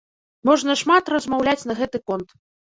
Можна шмат размаўляць на гэты конт.